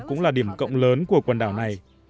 cũng là điểm cộng lớn của quần đảo này